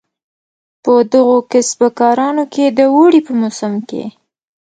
په دغو کسبه کارانو کې د اوړي په موسم کې.